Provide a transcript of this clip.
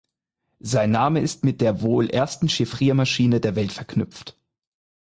Sein Name ist mit der wohl ersten Chiffriermaschine der Welt verknüpft.